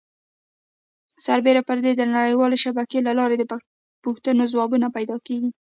سربیره پر دې د نړۍ والې شبکې له لارې د پوښتنو ځوابونه پیدا کېږي.